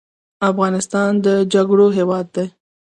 افغانستان د جګړو هیواد دی